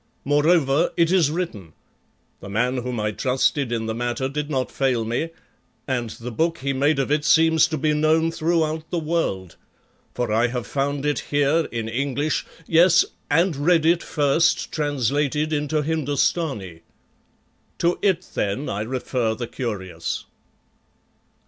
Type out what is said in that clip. Moreover it is written; the man whom I trusted in the matter did not fail me, and the book he made of it seems to be known throughout the world, for I have found it here in English, yes, and read it first translated into Hindostani. To it then I refer the curious.